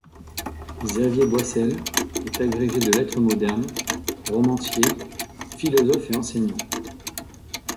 Xavier Boissel est agrégé de lettres modernes, romancier, philosophe et enseignant.